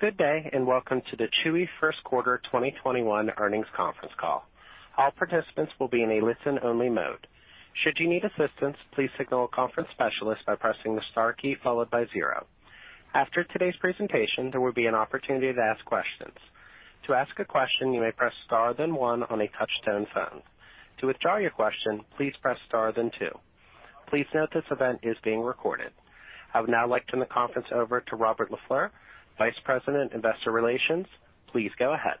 Good day, welcome to the Chewy first quarter 2021 earnings conference call. All participants will be in a listen-only mode. Should you need assistance, please signal a conference specialist by pressing the star key followed by zero. After today's presentation, there will be an opportunity to ask questions. To ask a question, you may press star then one on a touch-tone phone. To withdraw your question, please press star then two. Please note this event is being recorded. I would now like to turn the conference over to Robert LaFleur, Vice President, Investor Relations. Please go ahead.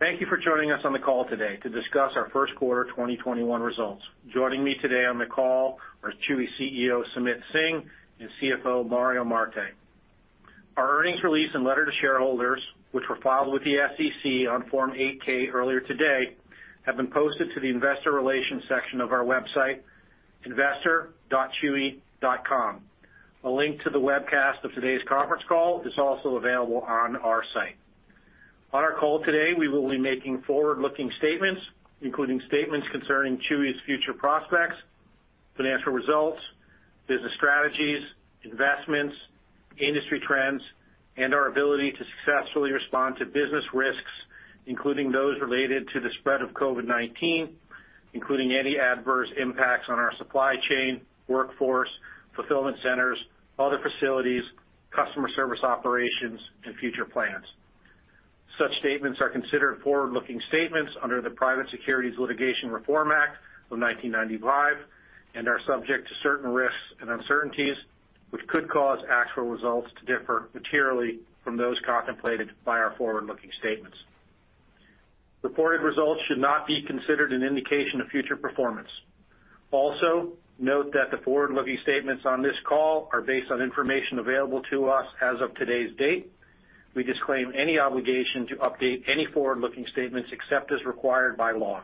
Thank you for joining us on the call today to discuss our first quarter 2021 results. Joining me today on the call are Chewy CEO, Sumit Singh, and CFO, Mario Marte. Our earnings release and letter to shareholders, which were filed with the SEC on Form 8-K earlier today, have been posted to the investor relations section of our website, investor.chewy.com. A link to the webcast of today's conference call is also available on our site. On our call today, we will be making forward-looking statements, including statements concerning Chewy's future prospects, financial results, business strategies, investments, industry trends, and our ability to successfully respond to business risks, including those related to the spread of COVID-19, including any adverse impacts on our supply chain, workforce, fulfillment centers, other facilities, customer service operations, and future plans. Such statements are considered forward-looking statements under the Private Securities Litigation Reform Act of 1995 and are subject to certain risks and uncertainties, which could cause actual results to differ materially from those contemplated by our forward-looking statements. Reported results should not be considered an indication of future performance. Also, note that the forward-looking statements on this call are based on information available to us as of today's date. We disclaim any obligation to update any forward-looking statements except as required by law.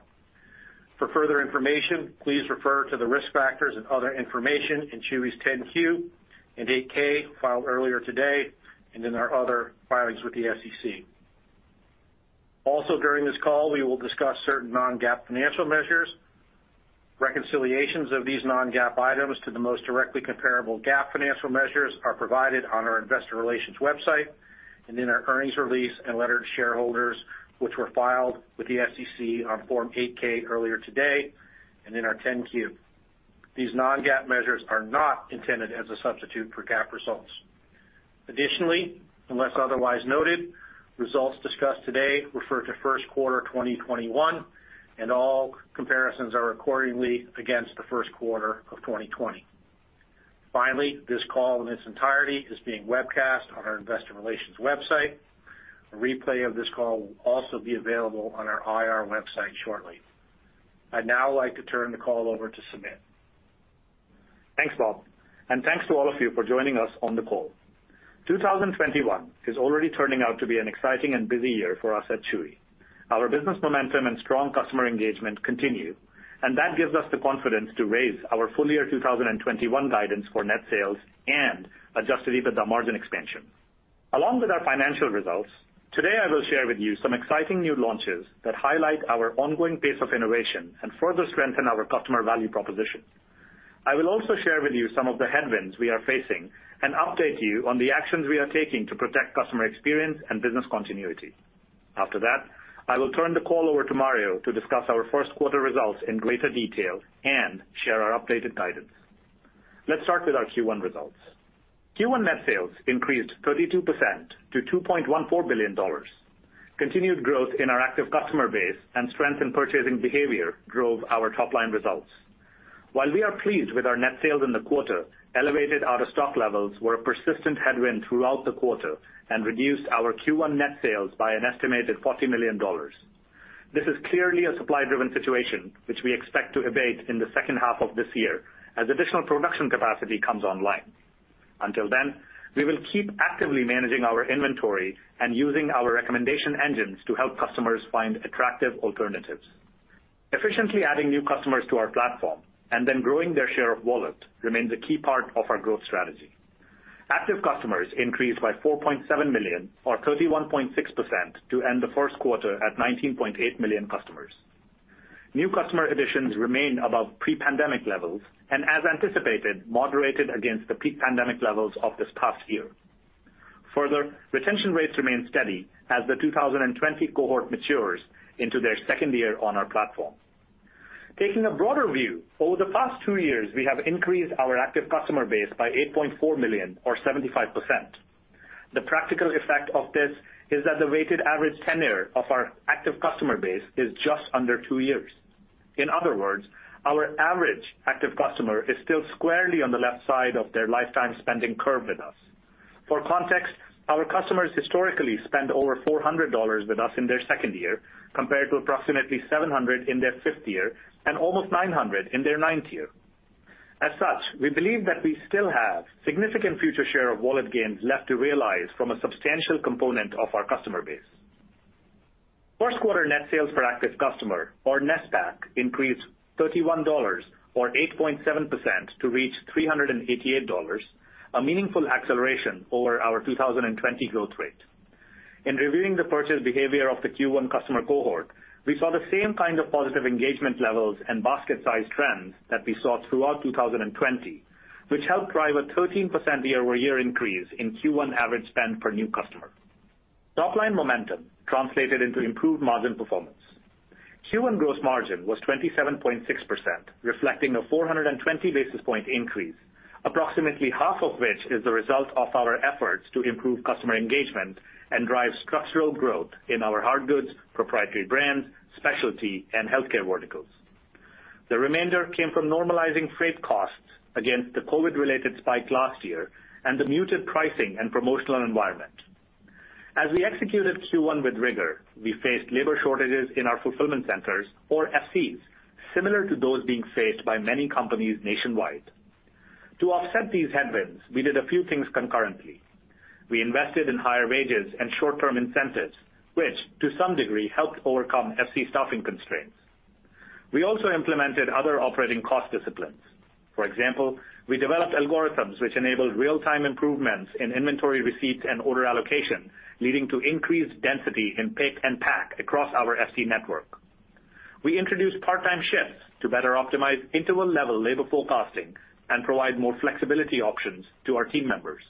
For further information, please refer to the risk factors and other information in Chewy's 10-Q and 8-K filed earlier today and in our other filings with the SEC. Also, during this call, we will discuss certain non-GAAP financial measures. Reconciliations of these non-GAAP items to the most directly comparable GAAP financial measures are provided on our investor relations website and in our earnings release and letter to shareholders, which were filed with the SEC on Form 8-K earlier today and in our 10-Q. These non-GAAP measures are not intended as a substitute for GAAP results. Additionally, unless otherwise noted, results discussed today refer to first quarter 2021, and all comparisons are accordingly against the first quarter of 2020. Finally, this call in its entirety is being webcast on our investor relations website. A replay of this call will also be available on our IR website shortly. I'd now like to turn the call over to Sumit. Thanks, Bob, and thanks to all of you for joining us on the call. 2021 is already turning out to be an exciting and busy year for us at Chewy. Our business momentum and strong customer engagement continue, and that gives us the confidence to raise our full year 2021 guidance for net sales and adjusted EBITDA margin expansion. Along with our financial results, today I will share with you some exciting new launches that highlight our ongoing pace of innovation and further strengthen our customer value proposition. I will also share with you some of the headwinds we are facing and update you on the actions we are taking to protect customer experience and business continuity. After that, I will turn the call over to Mario to discuss our first quarter results in greater detail and share our updated guidance. Let's start with our Q1 results. Q1 net sales increased 32% to $2.14 billion. Continued growth in our active customer base and strength in purchasing behavior drove our top-line results. While we are pleased with our net sales in the quarter, elevated out-of-stock levels were a persistent headwind throughout the quarter and reduced our Q1 net sales by an estimated $40 million. This is clearly a supply-driven situation, which we expect to abate in the second half of this year as additional production capacity comes online. Until then, we will keep actively managing our inventory and using our recommendation engines to help customers find attractive alternatives. Efficiently adding new customers to our platform and then growing their share of wallet remains a key part of our growth strategy. Active customers increased by 4.7 million or 31.6% to end the first quarter at 19.8 million customers. New customer additions remain above pre-pandemic levels and, as anticipated, moderated against the pre-pandemic levels of this past year. Retention rates remain steady as the 2020 cohort matures into their second year on our platform. Taking a broader view, over the past two years, we have increased our active customer base by 8.4 million or 75%. The practical effect of this is that the weighted average tenure of our active customer base is just under two years. In other words, our average active customer is still squarely on the left side of their lifetime spending curve with us. For context, our customers historically spend over $400 with us in their second year, compared to approximately $700 in their fifth year and almost $900 in their ninth year. As such, we believe that we still have significant future share of wallet gains left to realize from a substantial component of our customer base. First quarter NSPAC increased $31 or 8.7% to reach $388, a meaningful acceleration over our 2020 growth rate. In reviewing the purchase behavior of the Q1 customer cohort, we saw the same kind of positive engagement levels and basket size trends that we saw throughout 2020, which helped drive a 13% year-over-year increase in Q1 average spend per new customer. Top-line momentum translated into improved margin performance. Q1 gross margin was 27.6%, reflecting a 420 basis point increase, approximately half of which is the result of our efforts to improve customer engagement and drive structural growth in our hard goods, proprietary brands, specialty, and healthcare verticals. The remainder came from normalizing freight costs against the COVID-related spike last year and the muted pricing and promotional environment. As we executed Q1 with rigor, we faced labor shortages in our Fulfillment Centers, or FCs, similar to those being faced by many companies nationwide. To offset these headwinds, we did a few things concurrently. We invested in higher wages and short-term incentives, which to some degree, helped overcome FC staffing constraints. We also implemented other operating cost disciplines. For example, we developed algorithms which enabled real-time improvements in inventory receipts and order allocation, leading to increased density in pick and pack across our FC network. We introduced part-time shifts to better optimize interval level labor forecasting and provide more flexibility options to our team members.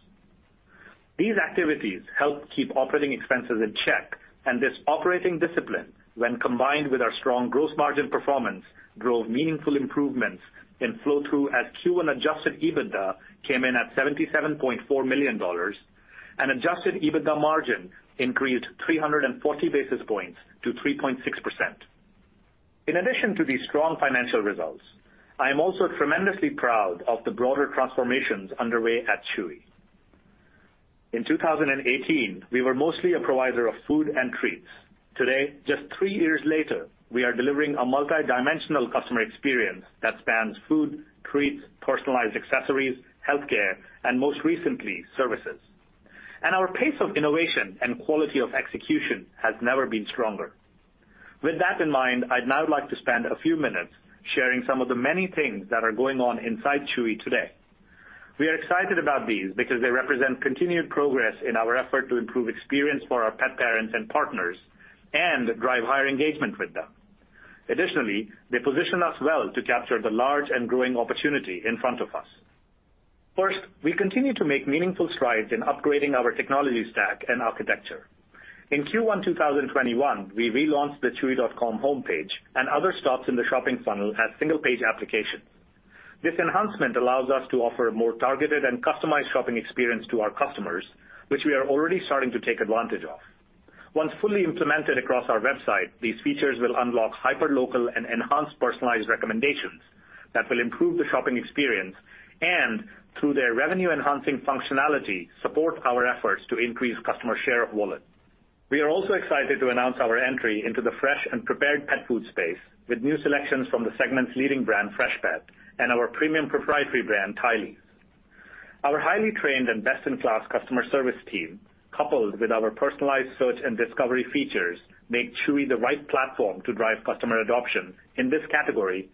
These activities helped keep operating expenses in check, and this operating discipline, when combined with our strong gross margin performance, drove meaningful improvements in flow-through as Q1 adjusted EBITDA came in at $77.4 million and adjusted EBITDA margin increased 340 basis points to 3.6%. In addition to these strong financial results, I'm also tremendously proud of the broader transformations underway at Chewy. In 2018, we were mostly a provider of food and treats. Today, just three years later, we are delivering a multidimensional customer experience that spans food, treats, personalized accessories, healthcare, and most recently, services. Our pace of innovation and quality of execution has never been stronger. With that in mind, I'd now like to spend a few minutes sharing some of the many things that are going on inside Chewy today. We are excited about these because they represent continued progress in our effort to improve experience for our pet parents and partners and drive higher engagement with them. Additionally, they position us well to capture the large and growing opportunity in front of us. First, we continue to make meaningful strides in upgrading our technology stack and architecture. In Q1 2021, we relaunched the chewy.com homepage and other stops in the shopping funnel as single-page applications. This enhancement allows us to offer a more targeted and customized shopping experience to our customers, which we are already starting to take advantage of. Once fully implemented across our website, these features will unlock hyperlocal and enhanced personalized recommendations that will improve the shopping experience and, through their revenue-enhancing functionality, support our efforts to increase customer share of wallet. We are also excited to announce our entry into the fresh and prepared pet food space with new selections from the segment's leading brand, Freshpet, and our premium proprietary brand, Tylee's. Our highly trained and best-in-class customer service team, coupled with our personalized search and discovery features, make Chewy the right platform to drive customer adoption in this category,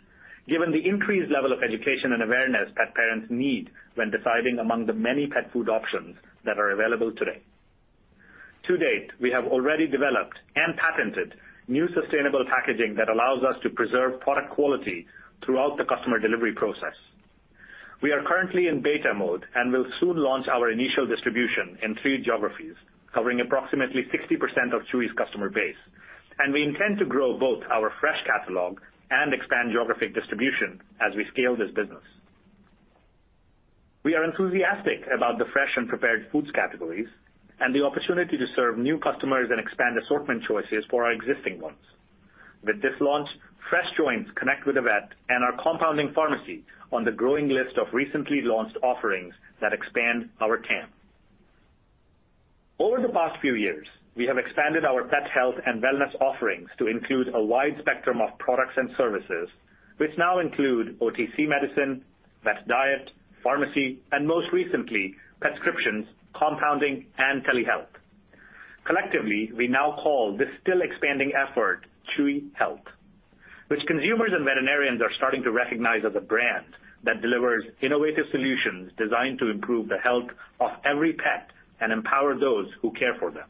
given the increased level of education and awareness that parents need when deciding among the many pet food options that are available today. To date, we have already developed and patented new sustainable packaging that allows us to preserve product quality throughout the customer delivery process. We are currently in beta mode and will soon launch our initial distribution in three geographies, covering approximately 60% of Chewy's customer base, and we intend to grow both our fresh catalog and expand geographic distribution as we scale this business. We are enthusiastic about the fresh and prepared foods categories and the opportunity to serve new customers and expand assortment choices for our existing ones. With this launch, Freshpet joins Connect with a Vet and our compounding pharmacy on the growing list of recently launched offerings that expand our TAM. Over the past few years, we have expanded our pet health and wellness offerings to include a wide spectrum of products and services, which now include OTC medicine, vet diet, pharmacy, and most recently, prescriptions, compounding, and telehealth. Collectively, we now call this still expanding effort Chewy Health, which consumers and veterinarians are starting to recognize as a brand that delivers innovative solutions designed to improve the health of every pet and empower those who care for them.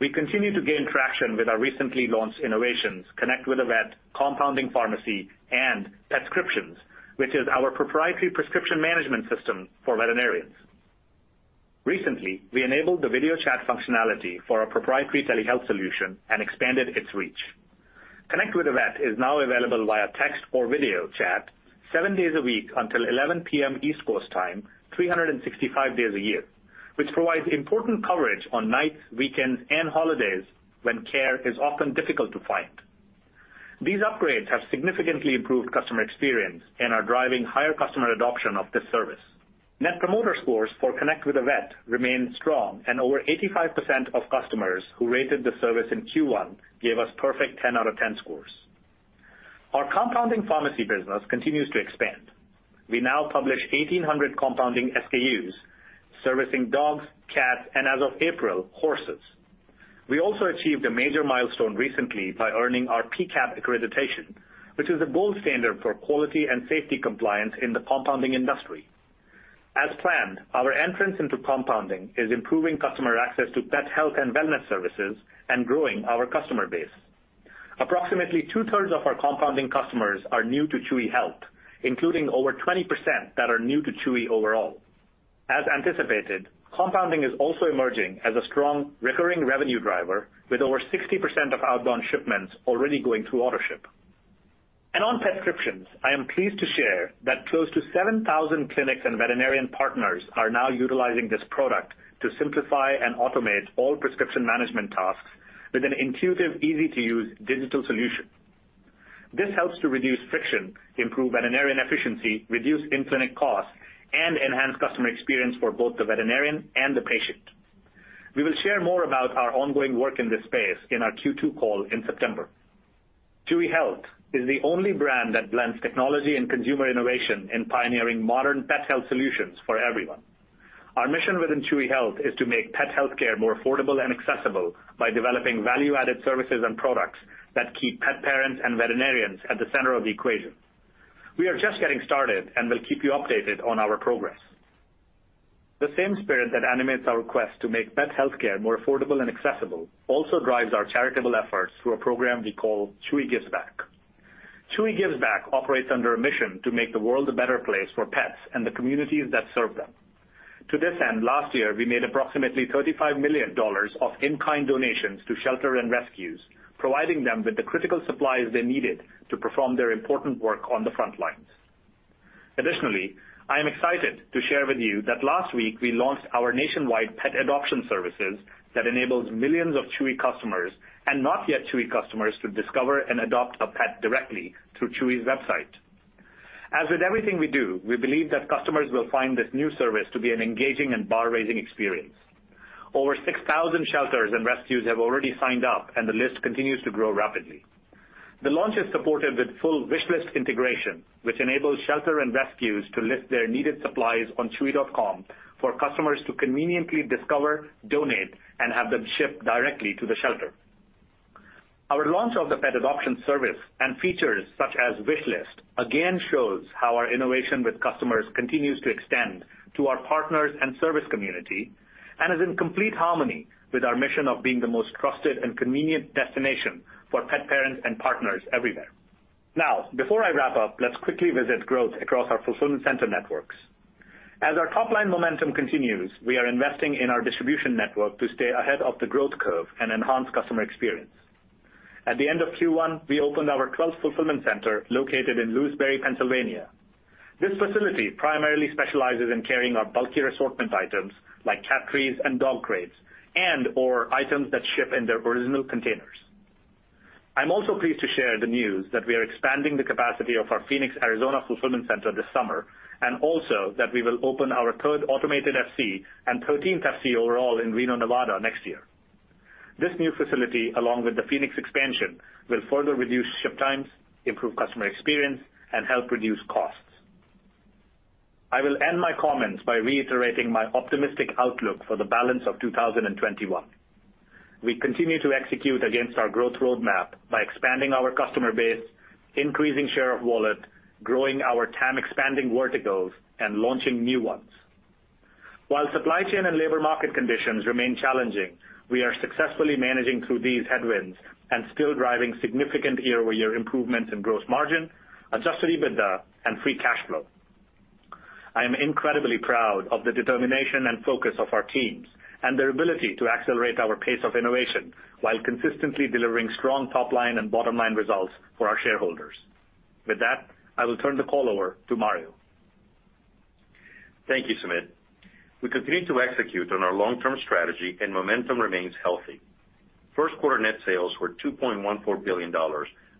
We continue to gain traction with our recently launched innovations, Connect with a Vet, Compounding Pharmacy, and PracticeHub, which is our proprietary prescription management system for veterinarians. Recently, we enabled the video chat functionality for our proprietary telehealth solution and expanded its reach. Connect with a Vet is now available via text or video chat seven days a week until 11:00 P.M. East Coast time, 365 days a year, which provides important coverage on nights, weekends, and holidays when care is often difficult to find. These upgrades have significantly improved customer experience and are driving higher customer adoption of this service. Net promoter scores for Connect with a Vet remain strong, and over 85% of customers who rated the service in Q1 gave us perfect 10 out of 10 scores. Our compounding pharmacy business continues to expand. We now publish 1,800 compounding SKUs servicing dogs, cats, and as of April, horses. We also achieved a major milestone recently by earning our PCAB accreditation, which is a gold standard for quality and safety compliance in the compounding industry. As planned, our entrance into compounding is improving customer access to Chewy Health and wellness services and growing our customer base. Approximately two-thirds of our compounding customers are new to Chewy Health, including over 20% that are new to Chewy overall. As anticipated, compounding is also emerging as a strong recurring revenue driver, with over 60% of outbound shipments already going to Autoship. On prescriptions, I am pleased to share that close to 7,000 clinic and veterinarian partners are now utilizing this product to simplify and automate all prescription management tasks with an intuitive, easy-to-use digital solution. This helps to reduce friction, improve veterinarian efficiency, reduce internet costs, and enhance customer experience for both the veterinarian and the patient. We will share more about our ongoing work in this space in our Q2 call in September. Chewy Health is the only brand that blends technology and consumer innovation in pioneering modern pet health solutions for everyone. Our mission within Chewy Health is to make pet healthcare more affordable and accessible by developing value-added services and products that keep pet parents and veterinarians at the center of the equation. We are just getting started, and we'll keep you updated on our progress. The same spirit that animates our quest to make pet healthcare more affordable and accessible also drives our charitable efforts through a program we call Chewy Gives Back. Chewy Gives Back operates under a mission to make the world a better place for pets and the communities that serve them. To this end, last year, we made approximately $35 million of in-kind donations to shelter and rescues, providing them with the critical supplies they needed to perform their important work on the front lines. Additionally, I am excited to share with you that last week we launched our nationwide pet adoption services that enables millions of Chewy customers and not yet Chewy customers to discover and adopt a pet directly through Chewy's website. As with everything we do, we believe that customers will find this new service to be an engaging and bar-raising experience. Over 6,000 shelters and rescues have already signed up, and the list continues to grow rapidly. The launch is supported with full wishlist integration, which enables shelter and rescues to list their needed supplies on chewy.com for customers to conveniently discover, donate, and have them shipped directly to the shelter. Our launch of the pet adoption service and features such as wishlist again shows how our innovation with customers continues to extend to our partners and service community and is in complete harmony with our mission of being the most trusted and convenient destination for pet parents and partners everywhere. Before I wrap up, let's quickly visit growth across our fulfillment center networks. As our top-line momentum continues, we are investing in our distribution network to stay ahead of the growth curve and enhance customer experience. At the end of Q1, we opened our 12th fulfillment center located in Lewisberry, Pennsylvania. This facility primarily specializes in carrying our bulkier assortment items like cat trees and dog crates and/or items that ship in their original containers. I'm also pleased to share the news that we are expanding the capacity of our Phoenix, Arizona, fulfillment center this summer, and also that we will open our third automated FC and 13th FC overall in Reno, Nevada, next year. This new facility, along with the Phoenix expansion, will further reduce ship times, improve customer experience, and help reduce costs. I will end my comments by reiterating my optimistic outlook for the balance of 2021. We continue to execute against our growth roadmap by expanding our customer base, increasing share of wallet, growing our TAM-expanding verticals, and launching new ones. While supply chain and labor market conditions remain challenging, we are successfully managing through these headwinds and still driving significant year-over-year improvements in gross margin, adjusted EBITDA, and free cash flow. I'm incredibly proud of the determination and focus of our teams and their ability to accelerate our pace of innovation while consistently delivering strong top-line and bottom-line results for our shareholders. With that, I will turn the call over to Mario. Thank you, Sumit. We continue to execute on our long-term strategy and momentum remains healthy. First quarter net sales were $2.14 billion,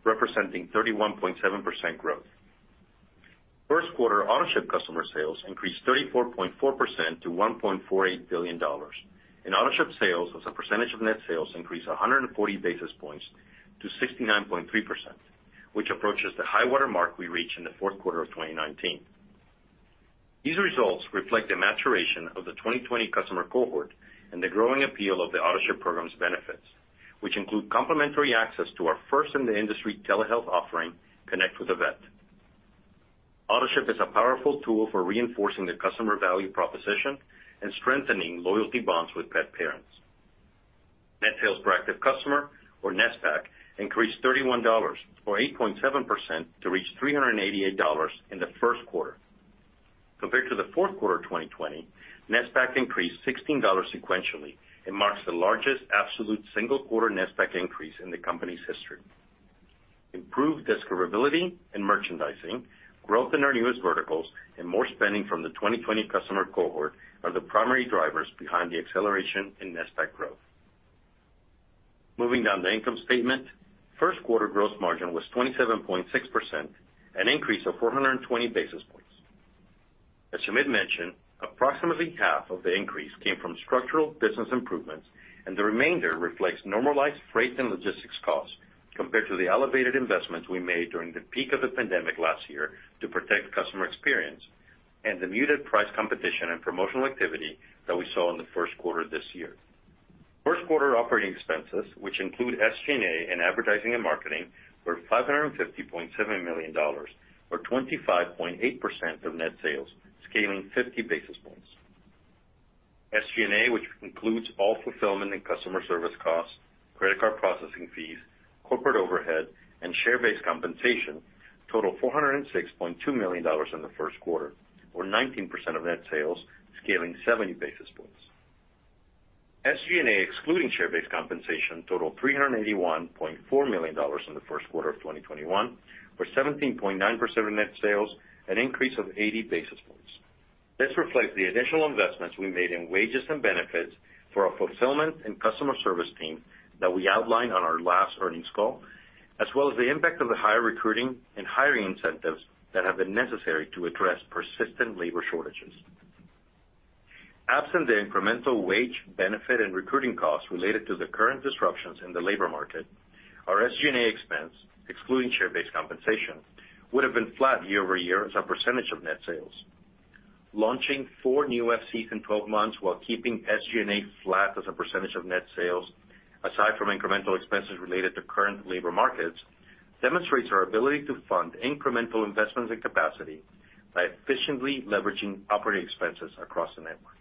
representing 31.7% growth. First quarter Autoship customer sales increased 34.4% to $1.48 billion, and Autoship sales as a percentage of net sales increased 140 basis points to 69.3%, which approaches the high-water mark we reached in the fourth quarter of 2019. These results reflect the maturation of the 2020 customer cohort and the growing appeal of the Autoship program's benefits, which include complimentary access to our first-in-the-industry telehealth offering, Connect with a Vet. Autoship is a powerful tool for reinforcing the customer value proposition and strengthening loyalty bonds with pet parents. Net sales per active customer, or NetSAC, increased $31, or 8.7%, to reach $388 in the first quarter. Compared to the fourth quarter of 2020, NetSAC increased $16 sequentially and marks the largest absolute single-quarter NetSAC increase in the company's history. Improved discoverability and merchandising, growth in our newest verticals, and more spending from the 2020 customer cohort are the primary drivers behind the acceleration in NetSAC growth. Moving down the income statement, first quarter gross margin was 27.6%, an increase of 420 basis points. As Sumit mentioned, approximately half of the increase came from structural business improvements, and the remainder reflects normalized freight and logistics costs compared to the elevated investments we made during the peak of the pandemic last year to protect customer experience and the muted price competition and promotional activity that we saw in the first quarter of this year. First quarter operating expenses, which include SG&A and advertising and marketing, were $550.7 million, or 25.8% of net sales, scaling 50 basis points. SG&A, which includes all fulfillment and customer service costs, credit card processing fees, corporate overhead, and share-based compensation, totaled $406.2 million in the first quarter, or 19% of net sales, scaling 70 basis points. SG&A, excluding share-based compensation, totaled $381.4 million in the first quarter of 2021, or 17.9% of net sales, an increase of 80 basis points. This reflects the additional investments we made in wages and benefits for our fulfillment and customer service team that we outlined on our last earnings call, as well as the impact of the higher recruiting and hiring incentives that have been necessary to address persistent labor shortages. Absent the incremental wage benefit and recruiting costs related to the current disruptions in the labor market, our SG&A expense, excluding share-based compensation, would've been flat year-over-year as a percentage of net sales. Launching four new FC in 12 months while keeping SG&A flat as a percentage of net sales, aside from incremental expenses related to current labor markets, demonstrates our ability to fund incremental investments in capacity by efficiently leveraging operating expenses across the network.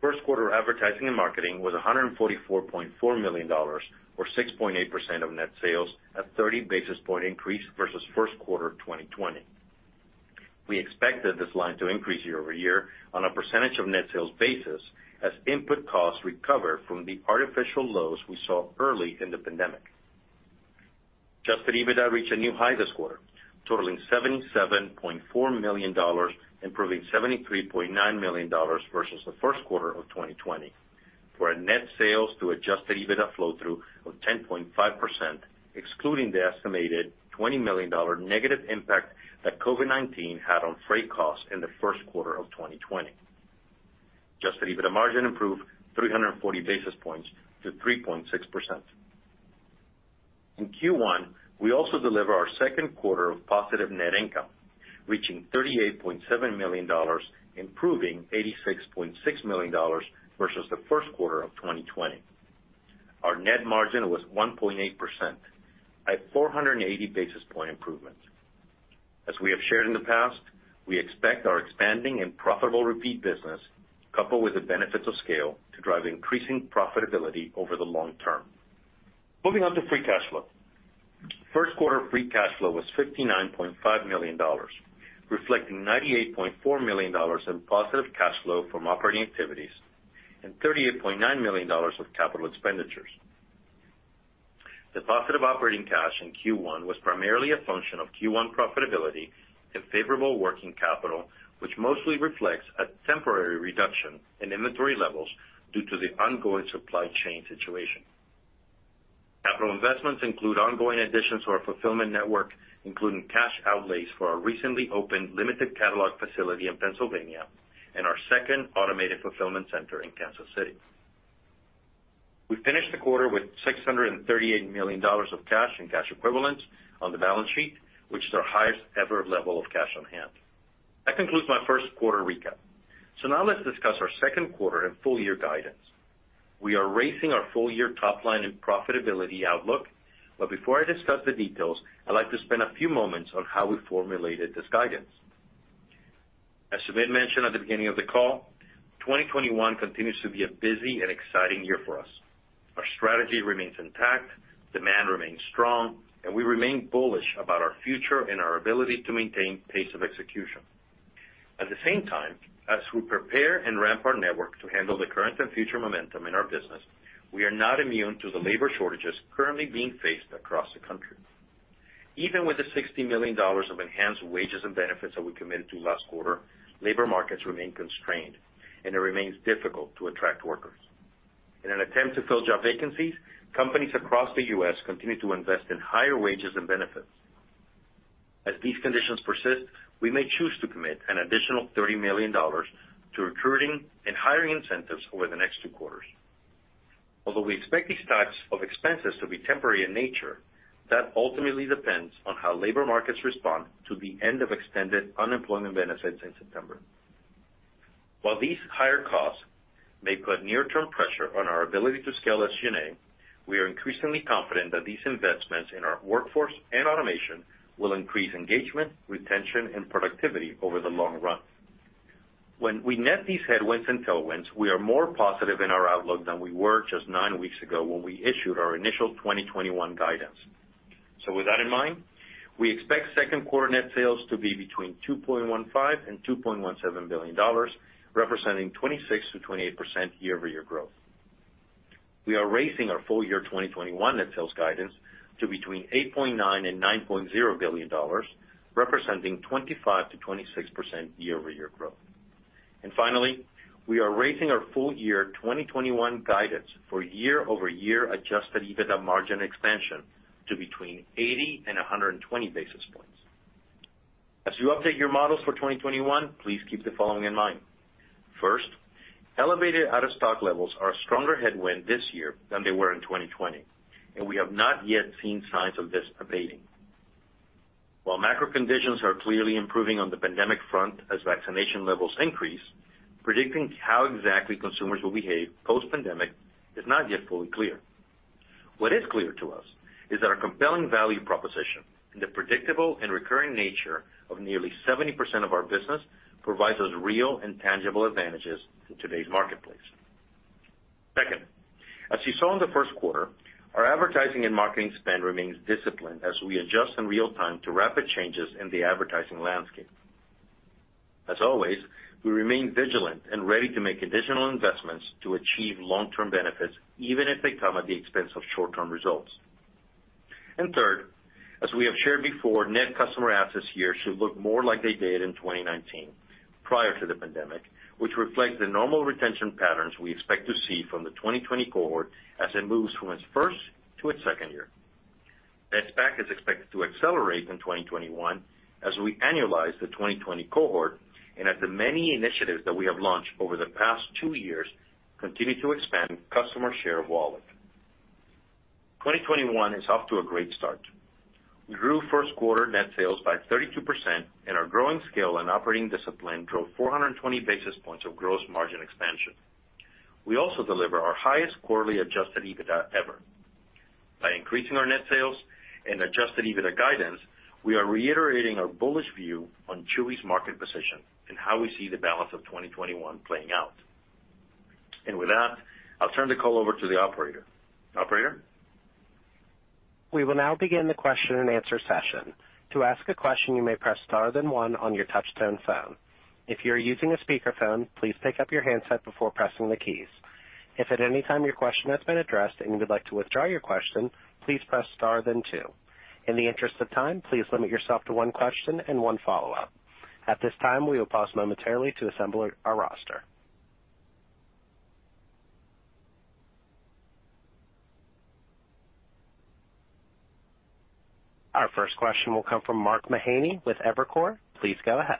First quarter advertising and marketing was $144.4 million, or 6.8% of net sales, a 30 basis point increase versus first quarter of 2020. We expected this line to increase year-over-year on a percentage of net sales basis as input costs recover from the artificial lows we saw early in the pandemic. Adjusted EBITDA reached a new high this quarter, totaling $77.4 million, improving $73.9 million versus the first quarter of 2020, for a net sales to adjusted EBITDA flow-through of 10.5%, excluding the estimated $20 million negative impact that COVID-19 had on freight costs in the first quarter of 2020. Adjusted EBITDA margin improved 340 basis points to 3.6%. In Q1, we also delivered our second quarter of positive net income, reaching $38.7 million, improving $86.6 million versus the first quarter of 2020. Our net margin was 1.8%, at 480 basis points improvement. As we have shared in the past, we expect our expanding and profitable repeat business, coupled with the benefits of scale, to drive increasing profitability over the long term. Moving on to free cash flow. First quarter free cash flow was $59.5 million, reflecting $98.4 million in positive cash flow from operating activities and $38.9 million of capital expenditures. The positive operating cash in Q1 was primarily a function of Q1 profitability and favorable working capital, which mostly reflects a temporary reduction in inventory levels due to the ongoing supply chain situation. Capital investments include ongoing additions to our fulfillment network, including cash outlays for our recently opened limited catalog facility in Pennsylvania and our second automated fulfillment center in Kansas City. We finished the quarter with $638 million of cash and cash equivalents on the balance sheet, which is our highest ever level of cash on hand. That concludes my first quarter recap. Now let's discuss our second quarter and full year guidance. We are raising our full year top line and profitability outlook. Before I discuss the details, I'd like to spend a few moments on how we formulated this guidance. As Sumit mentioned at the beginning of the call, 2021 continues to be a busy and exciting year for us. Our strategy remains intact, demand remains strong, and we remain bullish about our future and our ability to maintain pace of execution. At the same time, as we prepare and ramp our network to handle the current and future momentum in our business, we are not immune to the labor shortages currently being faced across the country. Even with the $60 million of enhanced wages and benefits that we committed to last quarter, labor markets remain constrained, and it remains difficult to attract workers. In an attempt to fill job vacancies, companies across the U.S. continue to invest in higher wages and benefits. As these conditions persist, we may choose to commit an additional $30 million to recruiting and hiring incentives over the next two quarters. Although we expect these types of expenses to be temporary in nature, that ultimately depends on how labor markets respond to the end of extended unemployment benefits in September. While these higher costs may put near-term pressure on our ability to scale SG&A, we are increasingly confident that these investments in our workforce and automation will increase engagement, retention, and productivity over the long run. When we net these headwinds and tailwinds, we are more positive in our outlook than we were just nine weeks ago when we issued our initial 2021 guidance. With that in mind, we expect second quarter net sales to be between $2.15 billion and $2.17 billion, representing 26%-28% year-over-year growth. We are raising our full year 2021 net sales guidance to between $8.9 billion and $9.0 billion, representing 25%-26% year-over-year growth. Finally, we are raising our full year 2021 guidance for year-over-year adjusted EBITDA margin expansion to between 80 and 120 basis points. As you update your models for 2021, please keep the following in mind. First, elevated out-of-stock levels are a stronger headwind this year than they were in 2020, and we have not yet seen signs of this abating. While macro conditions are clearly improving on the pandemic front as vaccination levels increase, predicting how exactly consumers will behave post-pandemic is not yet fully clear. What is clear to us is that our compelling value proposition and the predictable and recurring nature of nearly 70% of our business provides us real and tangible advantages in today's marketplace. Second, as you saw in the first quarter, our advertising and marketing spend remains disciplined as we adjust in real time to rapid changes in the advertising landscape. As always, we remain vigilant and ready to make additional investments to achieve long-term benefits, even if they come at the expense of short-term results. Third, as we have shared before, net customer adds this year should look more like they did in 2019, prior to the pandemic, which reflect the normal retention patterns we expect to see from the 2020 cohort as it moves from its first to its second year. NetSAC is expected to accelerate in 2021 as we annualize the 2020 cohort and as the many initiatives that we have launched over the past two years continue to expand customer share of wallet. 2021 is off to a great start. We grew first quarter net sales by 32%, and our growing scale and operating discipline drove 420 basis points of gross margin expansion. We also delivered our highest quarterly adjusted EBITDA ever. By increasing our net sales and adjusted EBITDA guidance, we are reiterating our bullish view on Chewy's market position and how we see the balance of 2021 playing out. With that, I'll turn the call over to the operator. Operator? We will now begin the question and answer session. To ask a question, you may press star, then one, on your touchstone phone. If you're using a speakerphone, please pick up your handset before pressing the keys. If at any time your question has been addressed and you would like to withdraw your question, please press star, then two. In the interest of time, please limit yourself to one question and one follow up. At this time, we will pause momentarily to assemble our roster. Our first question will come from Mark Mahaney with Evercore. Please go ahead.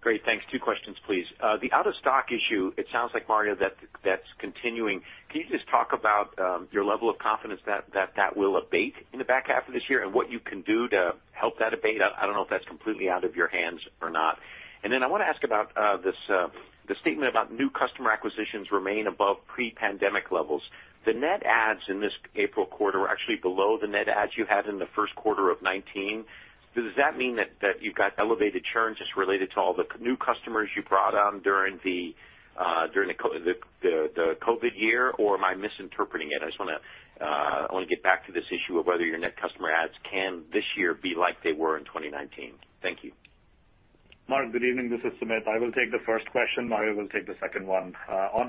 Great. Thanks. Two questions, please. The out-of-stock issue, it sounds like, Mario, that's continuing. Can you just talk about your level of confidence that that will abate in the back half of this year and what you can do to help that abate? I don't know if that's completely out of your hands or not. I want to ask about this statement about new customer acquisitions remain above pre-pandemic levels. The net adds in this April quarter are actually below the net adds you had in the first quarter of 2019. Does that mean that you've got elevated churn just related to all the new customers you brought on during the COVID-19 year? Am I misinterpreting it? I just want to get back to this issue of whether your net customer adds can this year be like they were in 2019. Thank you. Mark, good evening. This is Sumit. I will take the first question. Mario will take the second one. On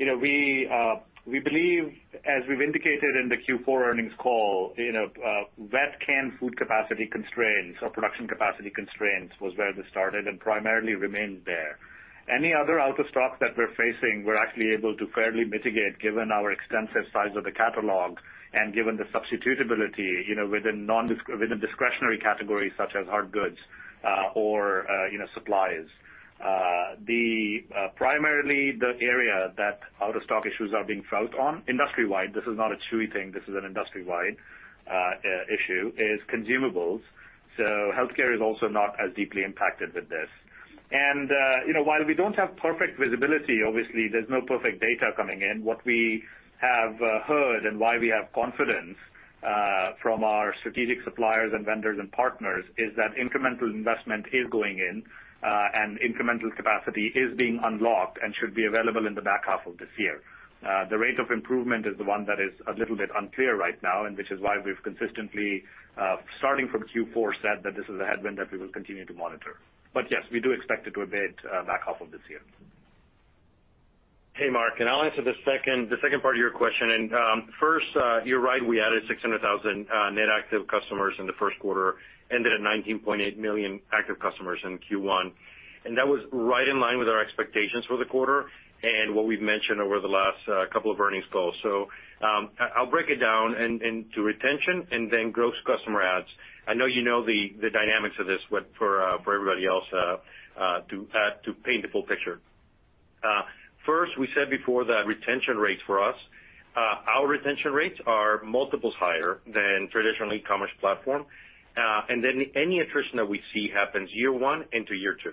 out-of-stocks, we believe, as we've indicated in the Q4 earnings call, wet can food capacity constraints or production capacity constraints was where we started and primarily remained there. Any other out-of-stock that we're facing, we're actually able to fairly mitigate given our extensive size of the catalog and given the substitutability within discretionary categories such as hard goods or supplies. Primarily, the area that out-of-stock issues are being felt on industry-wide, this is not a Chewy thing, this is an industry-wide issue, is consumables. Healthcare is also not as deeply impacted with this. While we don't have perfect visibility, obviously, there's no perfect data coming in. What we have heard and why we have confidence from our strategic suppliers and vendors and partners is that incremental investment is going in and incremental capacity is being unlocked and should be available in the back half of this year. The rate of improvement is the one that is a little bit unclear right now, and this is why we've consistently, starting from Q4, said that this is a headwind that we will continue to monitor. Yes, we do expect it to abate back half of this year. Hey, Mark, I'll answer the second part of your question. First, you're right, we added 600,000 net active customers in the first quarter, ended at 19.8 million active customers in Q1, and that was right in line with our expectations for the quarter and what we've mentioned over the last couple of earnings calls. I'll break it down into retention and then gross customer adds. I know you know the dynamics of this, but for everybody else, to paint the full picture. First, we said before the retention rates for us, our retention rates are multiples higher than traditional e-commerce platform. Any attrition that we see happens year one into year two.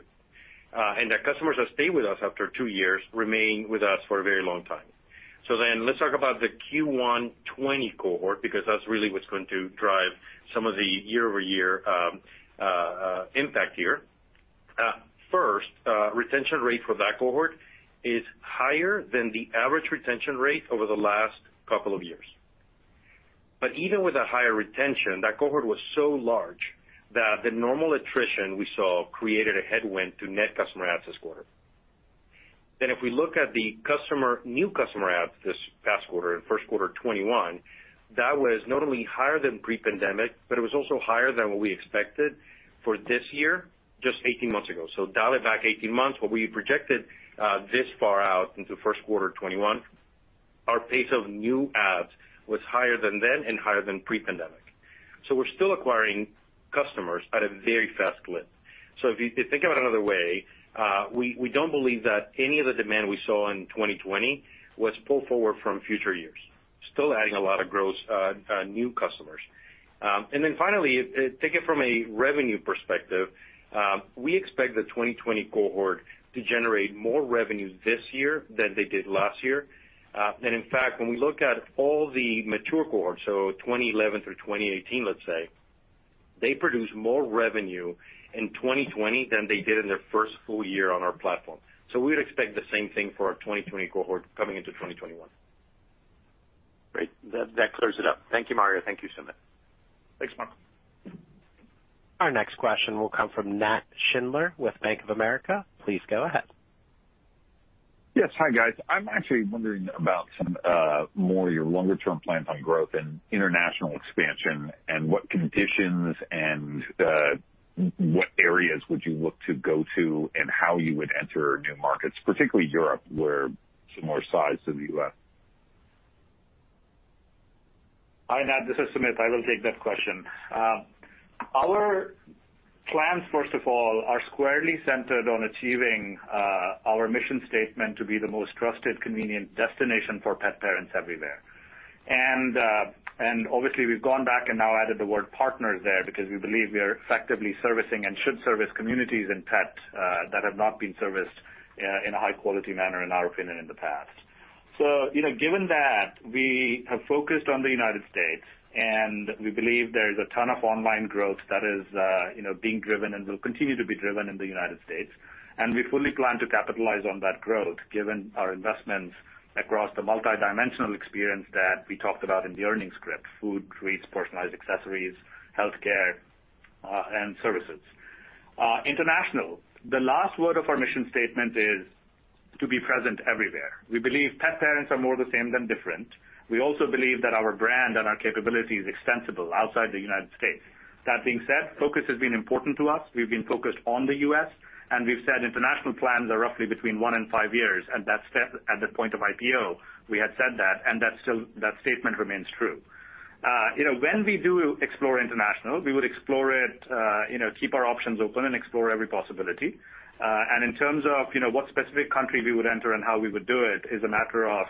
The customers that stay with us after two years remain with us for a very long time. Let's talk about the Q1 2020 cohort, because that's really what's going to drive some of the year-over-year impact here. First, retention rate for that cohort is higher than the average retention rate over the last couple of years. Even with a higher retention, that cohort was so large that the normal attrition we saw created a headwind to net customer adds this quarter. If we look at the new customer adds this past quarter, in Q1 2021, that was not only higher than pre-pandemic, but it was also higher than what we expected for this year, just 18 months ago. Dial it back 18 months, what we projected this far out into Q1 2021, our pace of new adds was higher than then and higher than pre-pandemic. We're still acquiring customers at a very fast clip. If you think of it another way, we don't believe that any of the demand we saw in 2020 was pulled forward from future years. Still adding a lot of gross new customers. Finally, take it from a revenue perspective. We expect the 2020 cohort to generate more revenue this year than they did last year. In fact, when we look at all the mature cohorts, so 2011 through 2018, let's say, they produced more revenue in 2020 than they did in their first full year on our platform. We would expect the same thing for our 2020 cohort coming into 2021. Great. That clears it up. Thank you, Mario. Thank you, Sumit. Thanks, Mario. Our next question will come from Nat Schindler with Bank of America. Please go ahead. Yes. Hi, guys. I'm actually wondering about some more of your longer-term plans on growth and international expansion and what conditions and what areas would you look to go to and how you would enter new markets, particularly Europe, where some more size to the U.S. Hi, Nat. This is Sumit. I will take that question. Our plans, first of all, are squarely centered on achieving our mission statement to be the most trusted, convenient destination for pet parents everywhere. Obviously, we've gone back and now added the word partners there because we believe we are effectively servicing and should service communities and pets that have not been serviced in a high-quality manner, in our opinion, in the past. Given that we have focused on the U.S. and we believe there's a ton of online growth that is being driven and will continue to be driven in the U.S., and we fully plan to capitalize on that growth given our investments across the multidimensional experience that we talked about in the earnings script: food, treats, personalized accessories, healthcare, and services. International. The last word of our mission statement is to be present everywhere. We believe pet parents are more the same than different. We also believe that our brand and our capability is extensible outside the United States. That being said, focus has been important to us. We've been focused on the U.S., and we've said international plans are roughly between one and five years, and that's set at the point of IPO. We had said that, and that statement remains true. When we do explore internationals, we would keep our options open and explore every possibility. In terms of what specific country we would enter and how we would do it is a matter of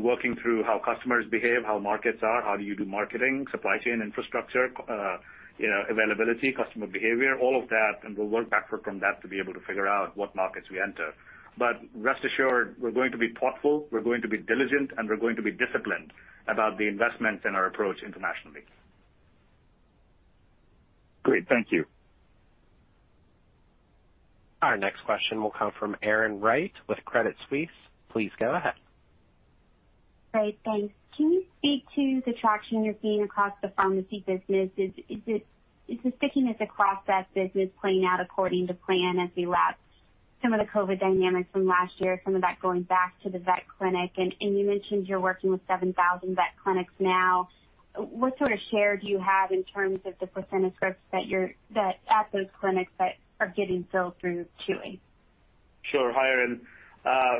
working through how customers behave, how markets are, how do you do marketing, supply chain infrastructure availability, customer behavior, all of that, and we'll work backward from that to be able to figure out what markets we enter. Rest assured, we're going to be thoughtful, we're going to be diligent, and we're going to be disciplined about the investment and our approach internationally. Great. Thank you. Our next question will come from Erin Wright with Credit Suisse. Please go ahead. Great. Thanks. Can you speak to the traction you're seeing across the pharmacy business? Is the sticking of the cross-sell business playing out according to plan as you wrap some of the COVID-19 dynamics from last year, some of that going back to the vet clinic? You mentioned you're working with 7,000 vet clinics now. What sort of share do you have in terms of the percentage of scripts that are at those clinics that are getting filled through Chewy? Sure. Hi, Erin.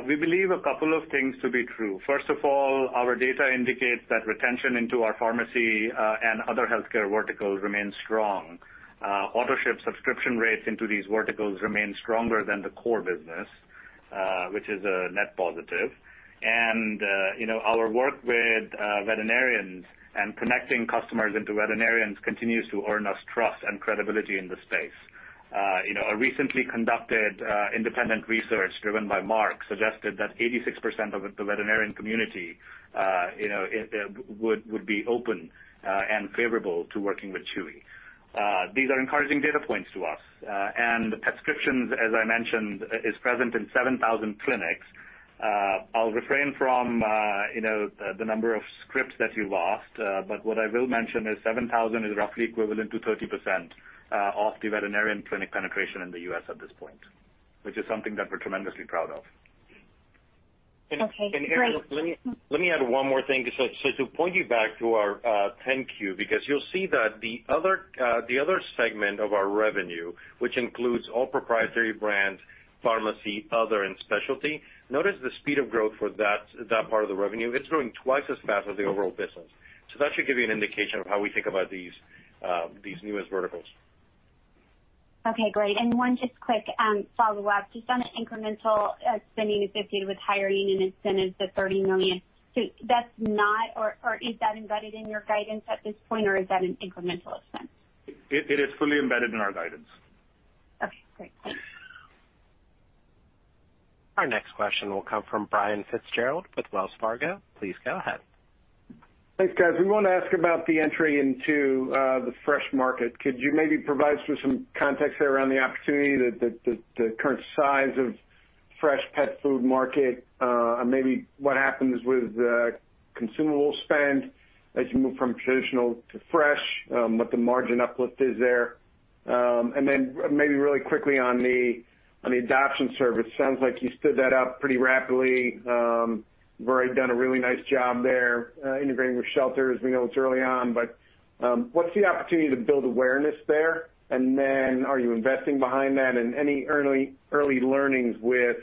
We believe a couple of things to be true. First of all, our data indicates that retention into our pharmacy and other healthcare verticals remains strong. Autoship subscription rates into these verticals remain stronger than the core business, which is a net positive. Our work with veterinarians and connecting customers into veterinarians continues to earn us trust and credibility in the space. A recently conducted independent research driven by Merck suggested that 86% of the veterinarian community would be open and favorable to working with Chewy. These are encouraging data points to us. Prescriptions, as I mentioned, is present in 7,000 clinics. I'll refrain from the number of scripts that you've asked. What I will mention is 7,000 is roughly equivalent to 30% of the veterinarian clinic penetration in the U.S. at this point, which is something that we're tremendously proud of. Okay. Erin, let me add one more thing. Just to point you back to our 10-Q, because you'll see that the other segment of our revenue, which includes all proprietary brands, pharmacy, other, and specialty, notice the speed of growth for that part of the revenue. It's growing twice as fast as the overall business. That should give you an indication of how we think about these newest verticals. Okay, great. One just quick follow-up. You've done an incremental spending of $50 million with hiring and incentives of $30 million. Is that embedded in your guidance at this point, or is that an incremental spend? It is fully embedded in our guidance. Okay, great. Thanks. Our next question will come from Brian Fitzgerald with Wells Fargo. Please go ahead. Thanks, guys. We want to ask you about the entry into the fresh market. Could you maybe provide some context around the opportunity, the current size of fresh pet food market? Maybe what happens with consumable spend as you move from traditional to fresh, what the margin uplift is there? Maybe really quickly on the adoption service, sounds like you stood that up pretty rapidly. You've already done a really nice job there integrating with shelters. We know it's early on, but what's the opportunity to build awareness there? Are you investing behind that and any early learnings with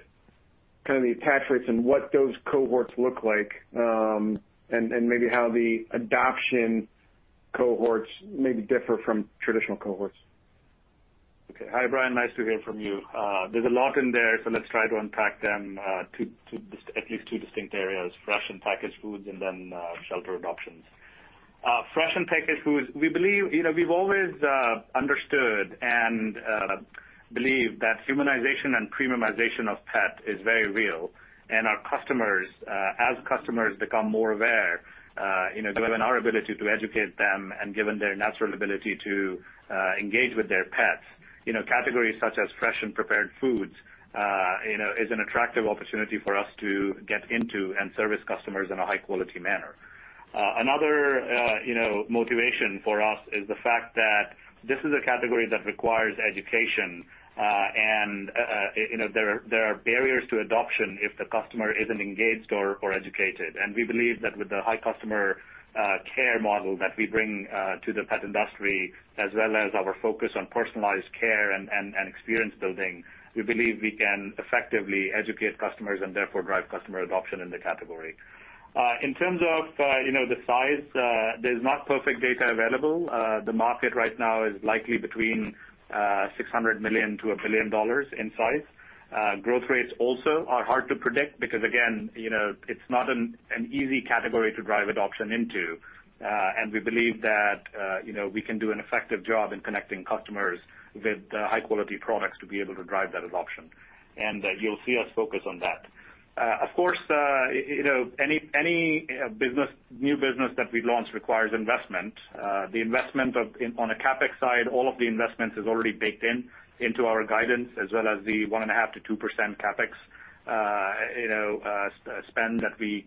kind of the attach rates and what those cohorts look like, and then maybe how the adoption cohorts maybe differ from traditional cohorts. Okay. Hi, Brian, nice to hear from you. There's a lot in there, so let's try to unpack them, at least two distinct areas, fresh and packaged foods and then shelter adoptions. Fresh and packaged foods, we've always understood and believe that humanization and premiumization of pet is very real. As customers become more aware given our ability to educate them and given their natural ability to engage with their pets, categories such as fresh and prepared foods is an attractive opportunity for us to get into and service customers in a high-quality manner. Another motivation for us is the fact that this is a category that requires education, and there are barriers to adoption if the customer isn't engaged or educated. We believe that with the high customer care model that we bring to the pet industry, as well as our focus on personalized care and experience building, we believe we can effectively educate customers and therefore drive customer adoption in the category. In terms of the size, there's not perfect data available. The market right now is likely between $600 million-$1 billion in size. Growth rates also are hard to predict because again, it's not an easy category to drive adoption into. We believe that we can do an effective job in connecting customers with high-quality products to be able to drive that adoption. You'll see us focus on that. Of course, any new business that we launch requires investment. The investment on a CapEx side, all of the investment is already baked in into our guidance as well as the 1.5%-2% CapEx spend that we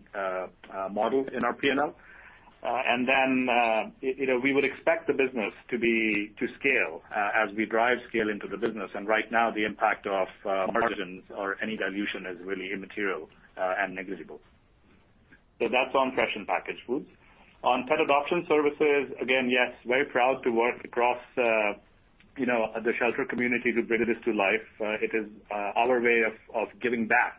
modeled in our P&L. We would expect the business to scale as we drive scale into the business. Right now, the impact of margins or any dilution is really immaterial and negligible. That's on fresh and packaged foods. On pet adoption services, again, yes, very proud to work across the shelter community to bring this to life. It is our way of giving back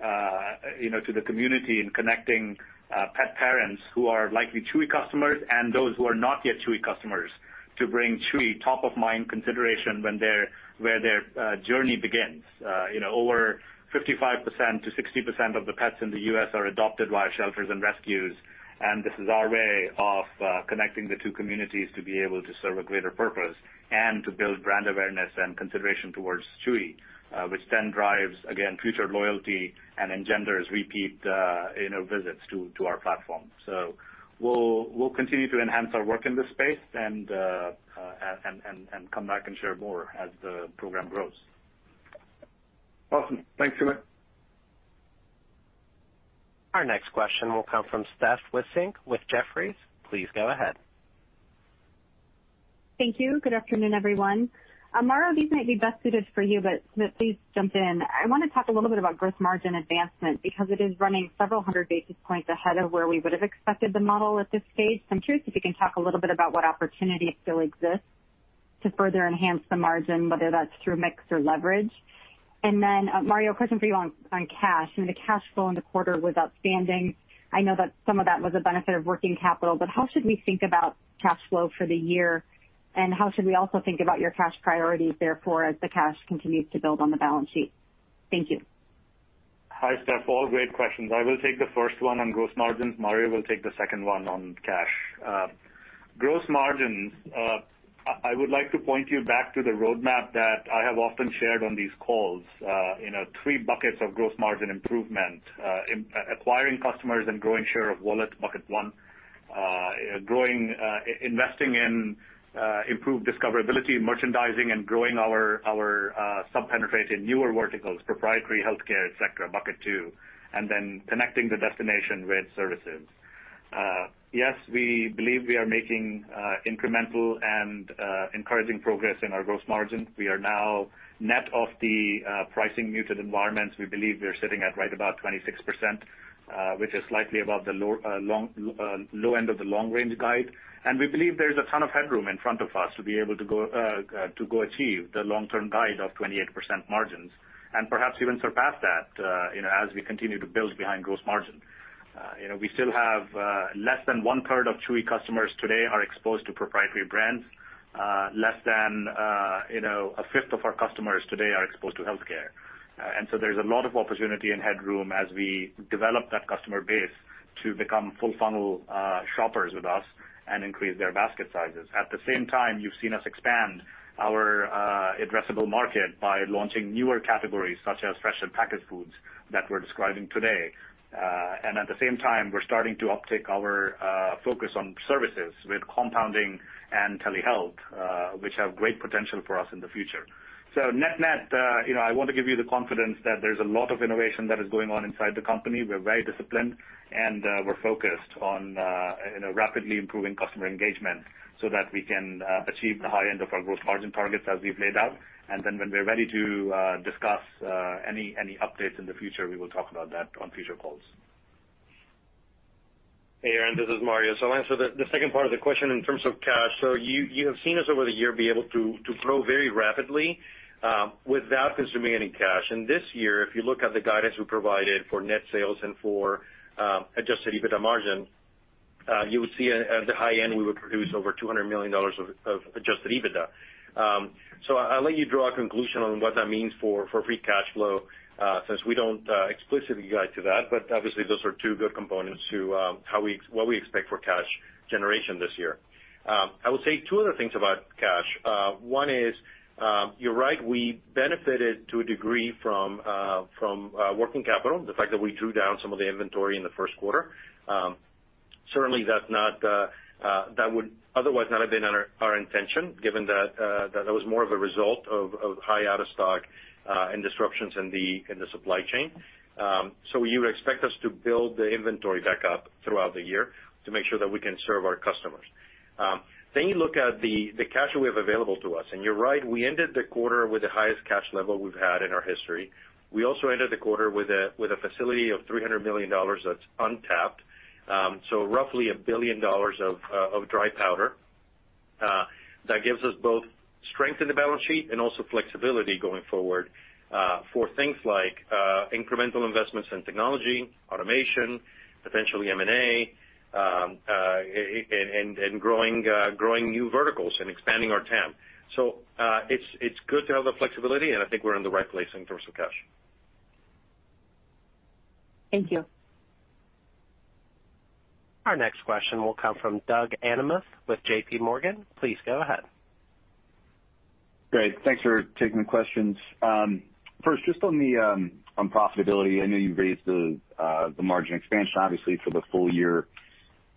to the community and connecting pet parents who are likely Chewy customers and those who are not yet Chewy customers to bring Chewy top of mind consideration where their journey begins. Over 55%-60% of the pets in the U.S. are adopted by shelters and rescues, and this is our way of connecting the two communities to be able to serve a greater purpose and to build brand awareness and consideration towards Chewy, which then drives, again, future loyalty and engenders repeat visits to our platform. We'll continue to enhance our work in this space and come back and share more as the program grows. Awesome. Thanks, Sumit. Our next question will come from Steph Wissink with Jefferies. Please go ahead. Thank you. Good afternoon, everyone. Mario, these might be best suited for you, but Sumit, please jump in. I want to talk a little bit about gross margin advancement because it is running several hundred basis points ahead of where we would've expected the model at this stage. I'm curious if you can talk a little bit about what opportunity still exists to further enhance the margin, whether that's through mix or leverage. Mario, question for you on cash. The cash flow in the quarter was outstanding. How should we think about cash flow for the year, and how should we also think about your cash priorities therefore, as the cash continues to build on the balance sheet? Thank you. Hi, Steph. All great questions. I will take the first one on gross margins. Mario will take the second one on cash. Gross margins, I would like to point you back to the roadmap that I have often shared on these calls, in a three buckets of gross margin improvement. Acquiring customers and growing share of wallet, bucket one. Investing in improved discoverability and merchandising and growing our sub-penetrated newer verticals, proprietary healthcare, et cetera, bucket two. Connecting the destination with services. Yes, we believe we are making incremental and encouraging progress in our gross margins. We are now net of the pricing muted environment. We believe we are sitting at right about 26%, which is slightly above the low end of the long-range guide. We believe there's a ton of headroom in front of us to be able to go achieve the long-term guide of 28% margins and perhaps even surpass that as we continue to build behind gross margin. We still have less than 1/3 of Chewy customers today are exposed to proprietary brands. Less than 1/5 of our customers today are exposed to healthcare. There's a lot of opportunity and headroom as we develop that customer base to become full-funnel shoppers with us and increase their basket sizes. At the same time, you've seen us expand our addressable market by launching newer categories such as fresh and packaged foods that we're describing today. At the same time, we're starting to uptick our focus on services with compounding and telehealth, which have great potential for us in the future. Net-net, I want to give you the confidence that there's a lot of innovation that is going on inside the company. We're very disciplined, and we're focused on rapidly improving customer engagement so that we can achieve the high end of our gross margin targets as we've laid out. When we're ready to discuss any updates in the future, we will talk about that on future calls. Steph, this is Mario. I'll answer the second part of the question in terms of cash. You have seen us over the year be able to grow very rapidly without consuming any cash. This year, if you look at the guidance we provided for net sales and for adjusted EBITDA margin, you would see at the high end, we would produce over $200 million of adjusted EBITDA. I'll let you draw a conclusion on what that means for free cash flow, since we don't explicitly guide to that. Obviously those are two good components to what we expect for cash generation this year. I would say two other things about cash. One is, you're right, we benefited to a degree from working capital, the fact that we drew down some of the inventory in the first quarter. Certainly, that would otherwise not have been our intention, given that that was more of a result of high out of stock and disruptions in the supply chain. You expect us to build the inventory back up throughout the year to make sure that we can serve our customers. You look at the cash we have available to us, and you're right. We ended the quarter with the highest cash level we've had in our history. We also ended the quarter with a facility of $300 million that's untapped. Roughly $1 billion of dry powder. That gives us both strength in the balance sheet and also flexibility going forward for things like incremental investments in technology, automation, potential M&A, and growing new verticals and expanding our TAM. It's good to have the flexibility, and I think we're in the right place in terms of cash. Thank you. Our next question will come from Doug Anmuth with JPMorgan. Please go ahead. Great. Thanks for taking the questions. Just on profitability. I know you raised the margin expansion, obviously, for the full year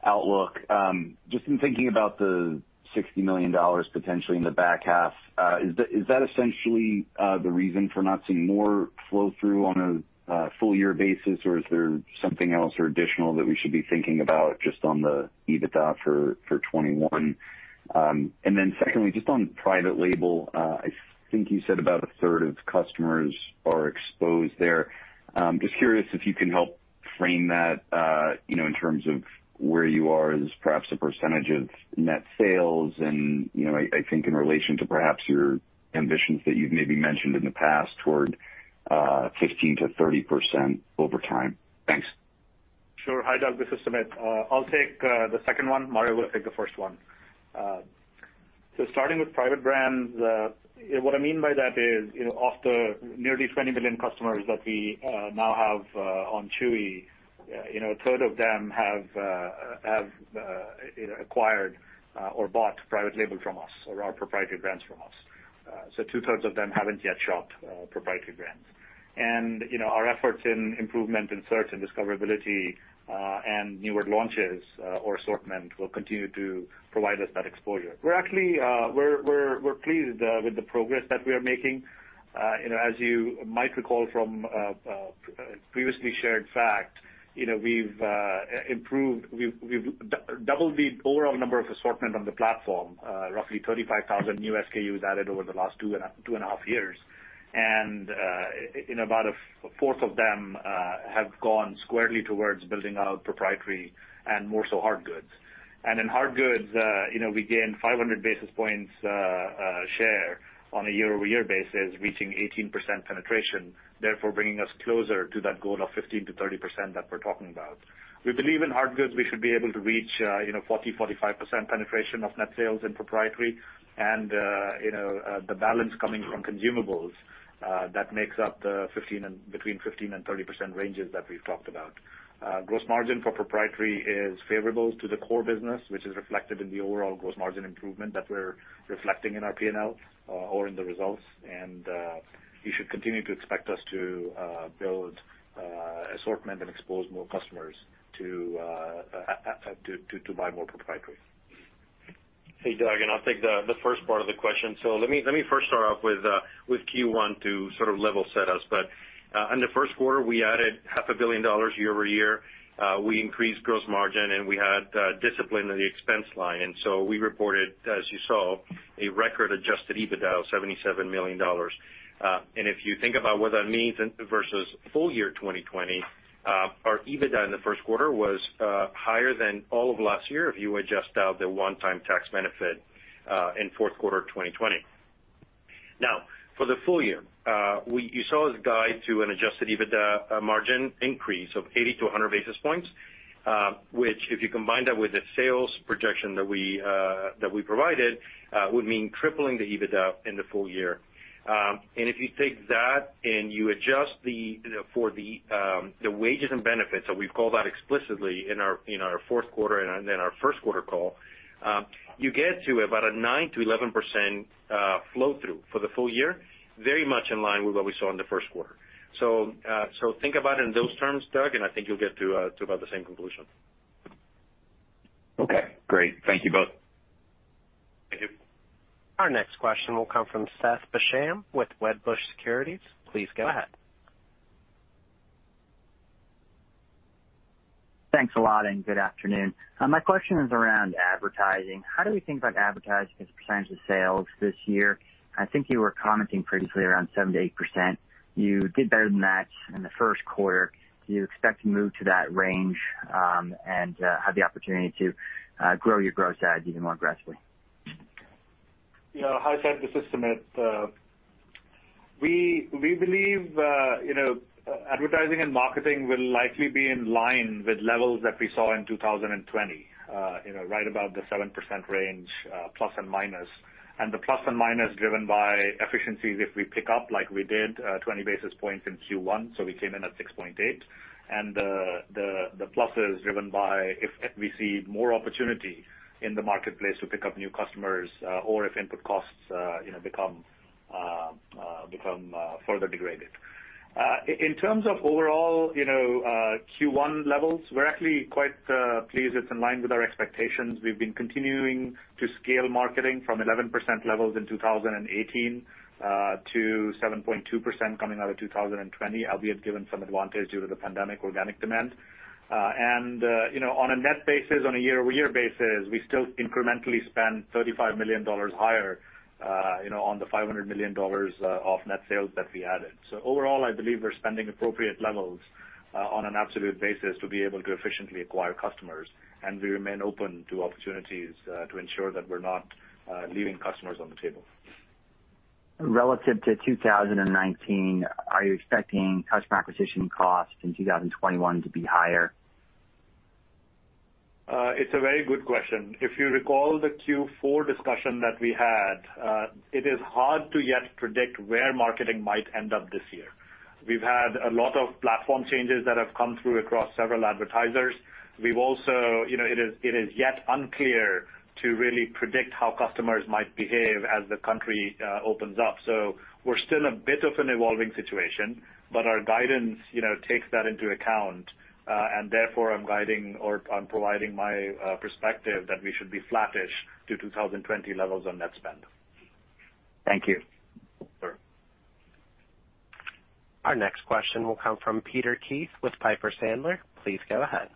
outlook. Just in thinking about the $60 million potentially in the back half, is that essentially the reason for not seeing more flow through on a full year basis, or is there something else or additional that we should be thinking about just on the EBITDA for 2021? Secondly, just on private label, I think you said about 1/3 of customers are exposed there. Just curious if you can help frame that in terms of where you are as perhaps a percentage of net sales and, I think in relation to perhaps your ambitions that you've maybe mentioned in the past toward 15%-30% over time. Thanks. Sure. Hi, Doug Anmuth. This is Sumit. I'll take the second one. Mario will take the first one. Starting with private brands, what I mean by that is of the nearly 20 million customers that we now have on Chewy, a third of them have acquired or bought private label from us or our proprietary brands from us. Two-thirds of them haven't yet shopped proprietary brands. Our efforts in improvement in search and discoverability and newer launches or assortment will continue to provide us that exposure. We're pleased with the progress that we are making. As you might recall from previously shared facts, we've doubled the overall number of assortment on the platform, roughly 35,000 new SKUs added over the last two and half years. About a fourth of them have gone squarely towards building out proprietary and more so hard goods. In hard goods, we gained 500 basis points share on a year-over-year basis, reaching 18% penetration, therefore bringing us closer to that goal of 15%-30% that we're talking about. We believe in hard goods, we should be able to reach 40%-45% penetration of net sales in proprietary and the balance coming from consumables that makes up between 15% and 30% ranges that we've talked about. Gross margin for proprietary is favorable to the core business, which is reflected in the overall gross margin improvement that we're reflecting in our P&L or in the results. You should continue to expect us to build assortment and expose more customers to buy more proprietary. Hey, Doug, I'll take the first part of the question. Let me first start off with Q1 to sort of level set us. In the first quarter, we added half a billion dollars year-over-year. We increased gross margin, and we had discipline in the expense line. We reported, as you saw, a record adjusted EBITDA of $77 million. If you think about what that means versus full year 2020, our EBITDA in the first quarter was higher than all of last year if you adjust out the one-time tax benefit in fourth quarter 2020. For the full year, you saw us guide to an adjusted EBITDA margin increase of 80 to 100 basis points, which, if you combine that with the sales projection that we provided, would mean tripling the EBITDA in the full year. If you take that and you adjust for the wages and benefits that we call that explicitly in our fourth quarter and in our first quarter call, you get to about a 9%-11% flow through for the full year, very much in line with what we saw in the first quarter. Think about it in those terms, Doug, and I think you'll get to about the same conclusion. Okay, great. Thank you both. Thank you. Our next question will come from Seth Basham with Wedbush Securities. Please go ahead. Thanks a lot, and good afternoon. My question is around advertising. How do we think about advertising as a percentage of sales this year? I think you were commenting pretty clear on 78%. You did better than that in the first quarter. Do you expect to move to that range and have the opportunity to grow your gross adds even more aggressively? Yeah, hi Seth, this is Sumit. We believe advertising and marketing will likely be in line with levels that we saw in 2020, right above the 7% range, plus and minus. The plus and minus driven by efficiencies if we pick up like we did, 20 basis points in Q1, so we came in at 6.8. The plus is driven by if we see more opportunity in the marketplace to pick up new customers or if input costs become further degraded. In terms of overall Q1 levels, we're actually quite pleased it's in line with our expectations. We've been continuing to scale marketing from 11% levels in 2018 to 7.2% coming out of 2020 as we have given some advantage due to the pandemic organic demand. On a net basis, on a year-over-year basis, we still incrementally spend $35 million higher on the $500 million of net sales that we added. Overall, I believe we're spending appropriate levels on an absolute basis to be able to efficiently acquire customers. We remain open to opportunities to ensure that we're not leaving customers on the table. Relative to 2019, are you expecting customer acquisition costs in 2021 to be higher? It's a very good question. If you recall the Q4 discussion that we had, it is hard to yet predict where marketing might end up this year. We've had a lot of platform changes that have come through across several advertisers. It is yet unclear to really predict how customers might behave as the country opens up. We're still in a bit of an evolving situation, but our guidance takes that into account. Therefore I'm guiding or I'm providing my perspective that we should be flattish to 2020 levels on net spend. Thank you. Sure. Our next question will come from Peter Keith with Piper Sandler. Please go ahead.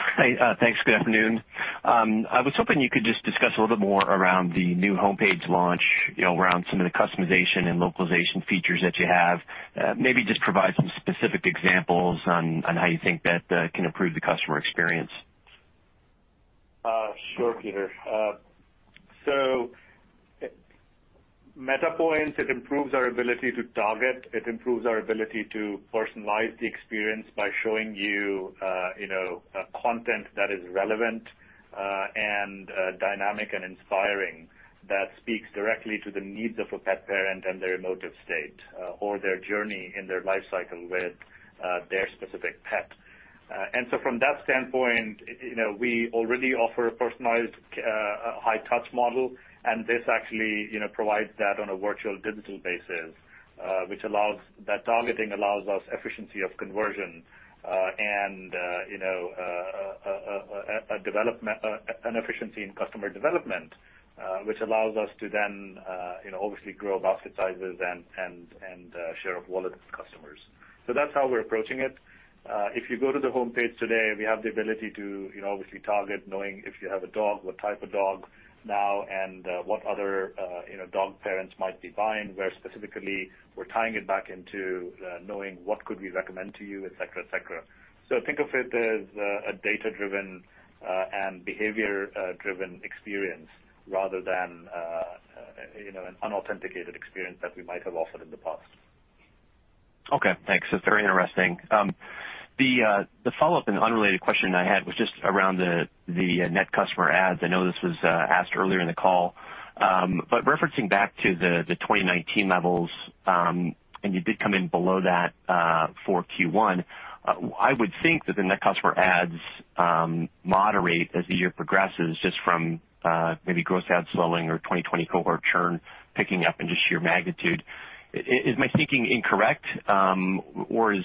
Hi. Thanks. Good afternoon. I was hoping you could just discuss a little more around the new homepage launch, around some of the customization and localization features that you have. Maybe just provide some specific examples on how you think that can improve the customer experience. Sure, Peter. Metapoints, it improves our ability to target. It improves our ability to personalize the experience by showing you content that is relevant and dynamic and inspiring, that speaks directly to the needs of a pet parent and their emotive state or their journey in their life cycle with their specific pet. From that standpoint, we already offer a personalized high-touch model, and this actually provides that on a virtual digital basis. That targeting allows us efficiency of conversion and an efficiency in customer development, which allows us to then obviously grow basket sizes and share of wallet with customers. That's how we're approaching it. If you go to the homepage today, we have the ability to obviously target knowing if you have a dog, what type of dog now, and what other dog parents might be buying, where specifically we're tying it back into knowing what could we recommend to you, et cetera. Think of it as a data-driven and behavior-driven experience rather than an unauthenticated experience that we might have offered in the past. Okay, thanks. That's very interesting. The follow-up and unrelated question I had was just around the net customer adds. I know this was asked earlier in the call. Referencing back to the 2019 levels, and you did come in below that for Q1. I would think that the net customer adds moderate as the year progresses, just from maybe gross adds slowing or 2020 cohort churn picking up and just sheer magnitude. Is my thinking incorrect? Or is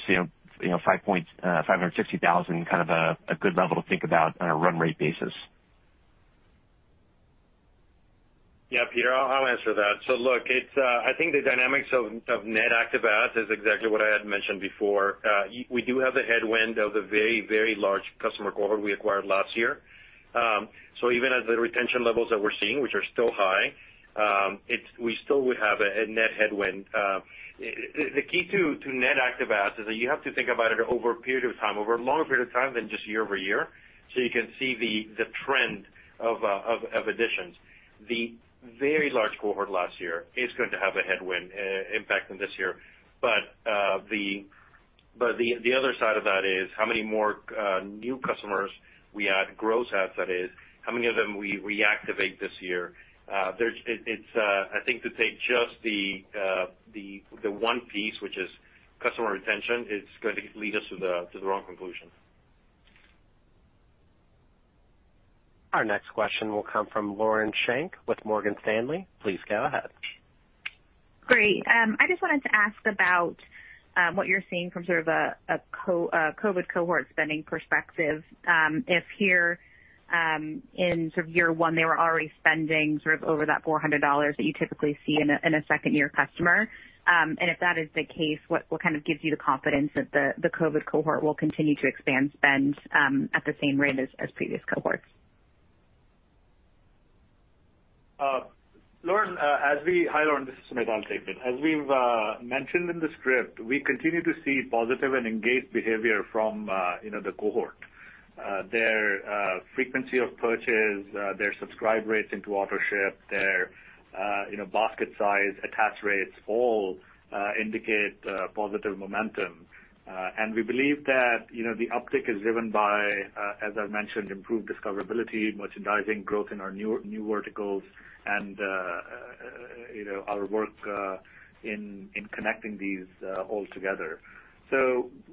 560,000 a good level to think about on a run rate basis? Peter, I'll answer that. Look, I think the dynamics of net active adds is exactly what I had mentioned before. We do have a headwind of a very, very large customer cohort we acquired last year. Even at the retention levels that we're seeing, which are still high, we still would have a net headwind. The key to net active adds is that you have to think about it over a period of time, over a longer period of time than just year-over-year, so you can see the trend of additions. The very large cohort last year is going to have a headwind impact on this year. The other side of that is how many more new customers we add gross adds, that is, how many of them we reactivate this year. I think to take just the one piece, which is customer retention, it's going to lead us to the wrong conclusion. Our next question will come from Lauren Schenk with Morgan Stanley. Please go ahead. Great. I just wanted to ask about what you're seeing from sort of a COVID cohort spending perspective. If here in sort of year one, they were already spending sort of over that $400 that you typically see in a second-year customer. If that is the case, what kind of gives you the confidence that the COVID cohort will continue to expand spend at the same rate as previous cohorts? Lauren, hi, Lauren. This is Sumit answering. As we've mentioned in the script, we continue to see positive and engaged behavior from the cohort. Their frequency of purchase, their subscribe rates into Autoship, their basket size, attach rates, all indicate positive momentum. We believe that the uptick is driven by, as I mentioned, improved discoverability, merchandising growth in our new verticals, and our work in connecting these all together.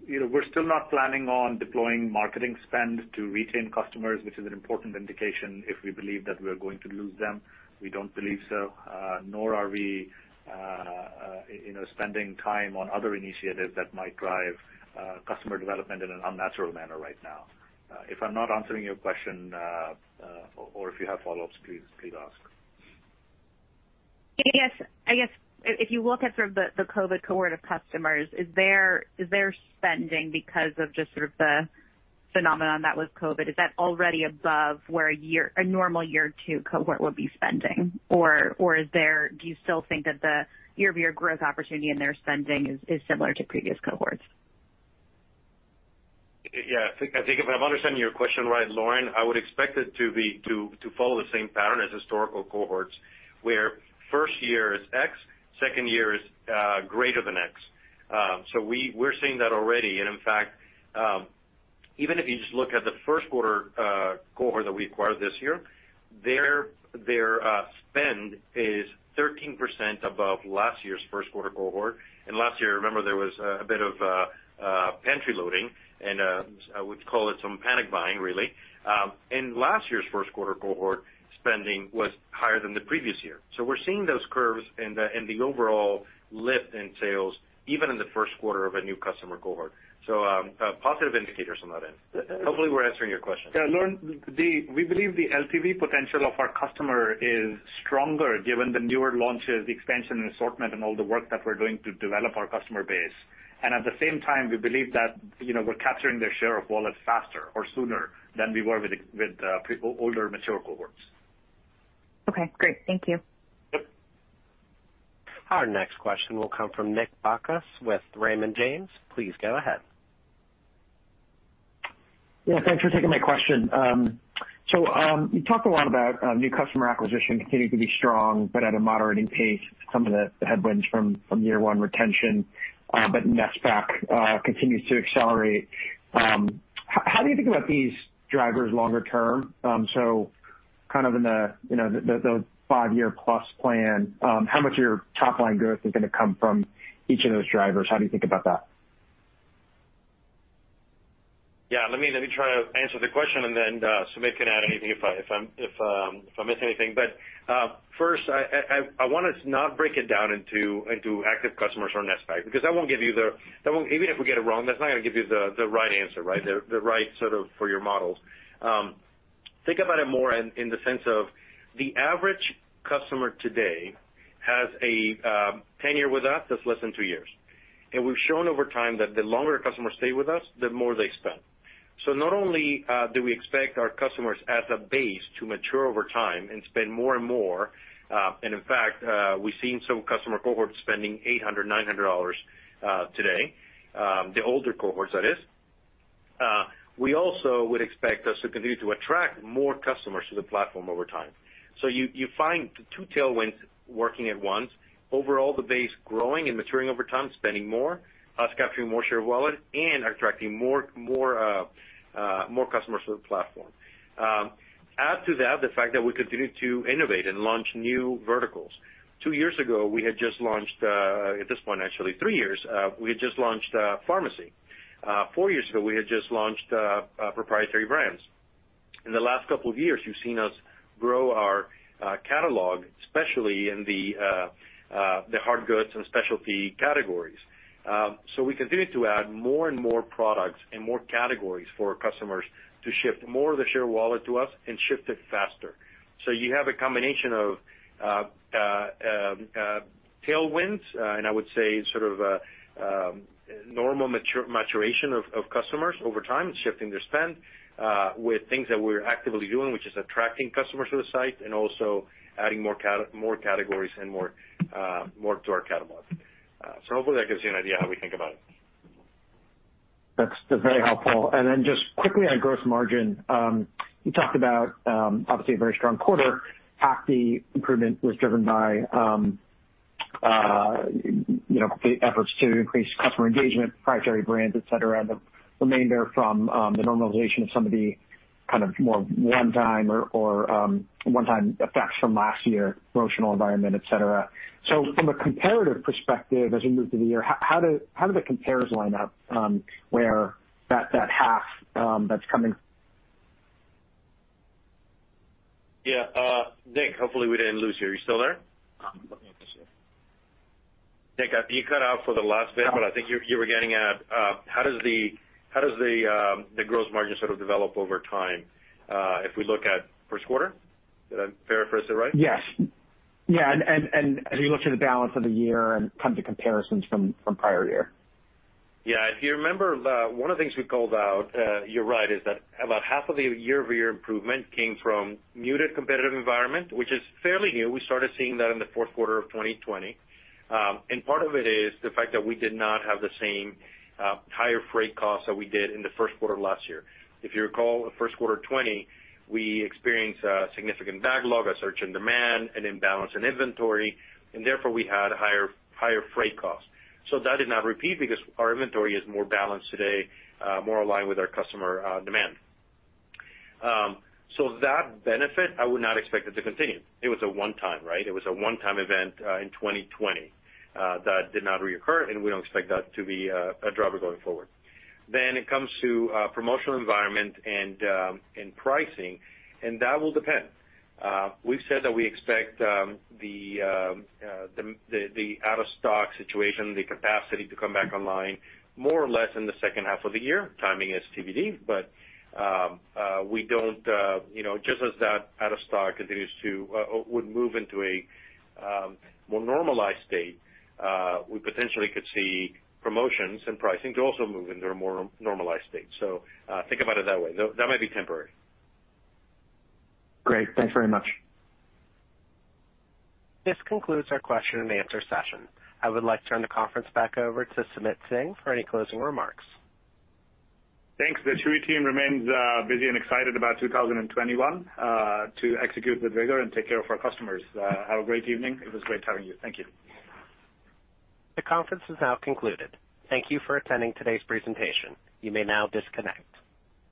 We're still not planning on deploying marketing spend to retain customers, which is an important indication if we believe that we're going to lose them. We don't believe so. Nor are we spending time on other initiatives that might drive customer development in an unnatural manner right now. If I'm not answering your question, or if you have follow-ups, please ask. I guess if you look at the COVID cohort of customers, is their spending because of just sort of the phenomenon that was COVID, is that already above where a normal year two cohort would be spending? Do you still think that your growth opportunity and their spending is similar to previous cohorts? Yeah, I think if I'm understanding your question right, Lauren, I would expect it to follow the same pattern as historical cohorts, where first year is X, second year is greater than X. We're seeing that already. In fact, even if you just look at the first quarter cohort that we acquired this year, their spend is 13% above last year's first quarter cohort. Last year, remember, there was a bit of pantry loading and I would call it some panic buying, really. Last year's first quarter cohort spending was higher than the previous year. We're seeing those curves in the overall lift in sales, even in the first quarter of a new customer cohort. Positive indicators on that end. Hopefully, we're answering your question. Yeah, Lauren, we believe the LTV potential of our customer is stronger given the newer launches, the expansion in assortment, and all the work that we're doing to develop our customer base. At the same time, we believe that we're capturing their share of wallet faster or sooner than we were with older, mature cohorts. Okay, great. Thank you. Yep. Our next question will come from Nick Bacchus with Raymond James. Please go ahead. Yeah, thanks for taking my question. You talk a lot about new customer acquisition continuing to be strong, but at a moderating pace, some of the headwinds from year one retention, but NetSAC continues to accelerate. How do you think about these drivers longer term? Kind of in the five-year plus plan how much of your top line growth is going to come from each of those drivers? How do you think about that? Let me try to answer the question and then Sumit can add anything if I miss anything. First, I want to not break it down into active customers or NetSAC, because even if we get it wrong, that's not going to give you the right answer, the right set up for your models. Think about it more in the sense of the average customer today has a tenure with us that's less than two years. We've shown over time that the longer customers stay with us, the more they spend. Not only do we expect our customers as a base to mature over time and spend more and more, and in fact, we've seen some customer cohorts spending $800, $900 today, the older cohorts that is. We also would expect us to continue to attract more customers to the platform over time. You find two tailwinds working at once. Overall, the base growing and maturing over time, spending more, us capturing more share of wallet, and attracting more customers to the platform. Add to that the fact that we continue to innovate and launch new verticals. At this point, actually three years, we had just launched pharmacy. Four years ago, we had just launched proprietary brands. In the last two years, you've seen us grow our catalog, especially in the hard goods and specialty categories. We continue to add more and more products and more categories for our customers to shift more of their share of wallet to us and shift it faster. You have a combination of tailwinds and I would say sort of a normal maturation of customers over time shifting their spend with things that we're actively doing, which is attracting customers to the site and also adding more categories and more to our catalog. Hopefully that gives you an idea how we think about it. That's very helpful. Then just quickly on gross margin. You talked about obviously a very strong quarter. Half the improvement was driven by the efforts to increase customer engagement, proprietary brands, et cetera, and the remainder from the normalization of some of the kind of more one-time effects from last year, promotional environment, et cetera. From a comparative perspective, as you move through the year, how do the compares line up where that half that's coming? Yeah. Nick, hopefully we didn't lose you. Are you still there? Let me see. Nick, you cut out for the last bit, but I think you were getting at how does the gross margin sort of develop over time if we look at first quarter? Is that a fair assessment, right? Yes. Yeah, as you look to the balance of the year and kind of the comparisons from prior year. Yeah. If you remember, one of the things we called out, you're right, is that about half of the year-over-year improvement came from muted competitive environment, which is fairly new. We started seeing that in the fourth quarter of 2020. Part of it is the fact that we did not have the same higher freight costs that we did in the first quarter last year. If you recall, the first quarter 2020, we experienced a significant backlog, a surge in demand, an imbalance in inventory, and therefore we had higher freight costs. That did not repeat because our inventory is more balanced today, more aligned with our customer demand. That benefit, I would not expect it to continue. It was a one-time, right? It was a one-time event in 2020 that did not reoccur, and we don't expect that to be a driver going forward. It comes to promotional environment and pricing, that will depend. We've said that we expect the out-of-stock situation, the capacity to come back online more or less in the second half of the year, timing is TBD. Just as that out-of-stock would move into a more normalized state, we potentially could see promotions and pricing also move into a more normalized state. Think about it that way. That might be temporary. Great. Thanks very much. This concludes our question and answer session. I would like to turn the conference back over to Sumit Singh for any closing remarks. Thanks. The Chewy team remains busy and excited about 2021 to execute with vigor and take care of our customers. Have a great evening. It was great talking to you. Thank you. The conference is now concluded. Thank you for attending today's presentation. You may now disconnect.